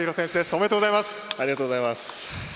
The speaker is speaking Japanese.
おめでとうございます。